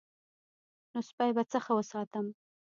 نو سپی به څه ښه وساتم.